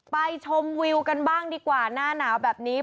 ชมวิวกันบ้างดีกว่าหน้าหนาวแบบนี้